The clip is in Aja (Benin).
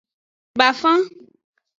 Bafan.